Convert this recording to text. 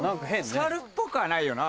猿っぽくはないよな。